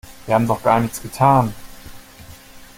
Wir haben doch gar nichts getan.